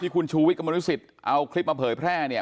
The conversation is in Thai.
ที่คุณชูวิทย์กับมนุษยศิษฐ์เอาคลิปมาเผยแพร่เนี่ย